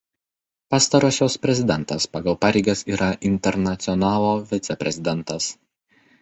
Pastarosios prezidentas pagal pareigas yra internacionalo viceprezidentas.